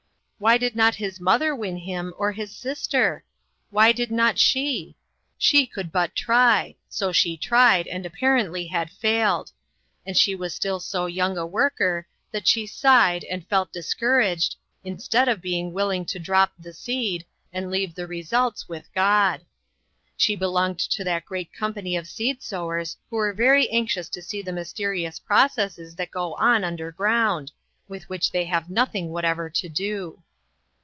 Why did not his mother win him, or his sister ? Why did not she ? She could but try ; so she tried, and apparently had failed; and she was still so young a worker that she sighed, and felt discouraged, instead of being willing to drop the seed, and leave the re sults with God. She belonged to that great company of seed sowers who are very anxious to see the mysterious processes that go on underground, with which they have nothing whatever to do.